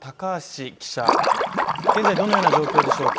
現在どのような状況でしょうか？